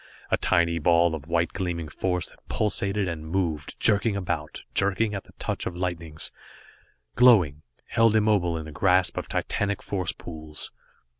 A tiny ball of white gleaming force that pulsated, and moved, jerking about, jerking at the touch of lightnings, glowing, held immobile in the grasp of titanic force pools.